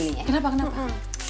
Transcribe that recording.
hmm kenapa kenapa